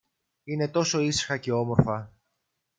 Είναι τόσο ήσυχα και όμορφα!